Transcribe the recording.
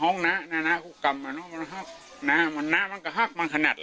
ห้องหน้าหน้าคุกกำหน้ามันหักหน้ามันหักมันหักบางขนาด